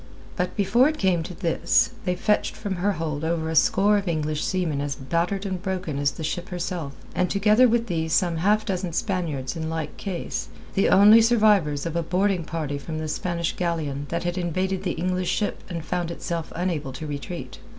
But before it came to this, they fetched from her hold over a score of English seamen as battered and broken as the ship herself, and together with these some half dozen Spaniards in like case, the only survivors of a boarding party from the Spanish galleon that had invaded the English ship and found itself unable to retreat.